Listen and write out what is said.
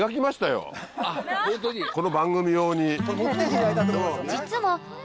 この番組用に。